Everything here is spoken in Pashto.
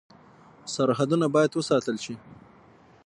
سرحدونه باید وساتل شي